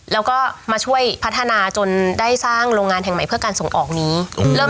แล้วก็มาช่วยพัฒนาจนได้สร้างโรงงานแห่งใหม่เพื่อการส่งออกนี้